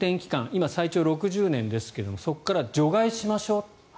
今、最長６０年ですがそこから除外しましょうと。